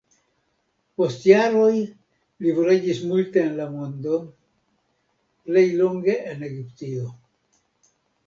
Post jaroj li vojaĝis multe en la mondo, plej longe en Egiptio.